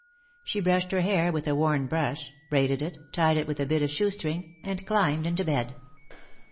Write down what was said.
She brushed her hair with a worn brush, braided it, tied it with a bit of shoestring, and climbed into bed.